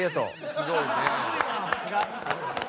すごいな。